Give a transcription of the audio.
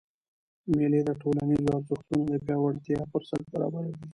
مېلې د ټولنیزو ارزښتونو د پیاوړتیا فُرصت برابروي.